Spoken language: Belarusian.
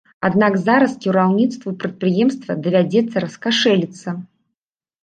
Аднак зараз кіраўніцтву прадпрыемства давядзецца раскашэліцца.